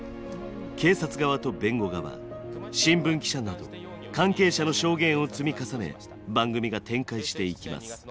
警察側と弁護側新聞記者など関係者の証言を積み重ね番組が展開していきます。